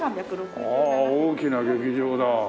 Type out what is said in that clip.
ああ大きな劇場だ。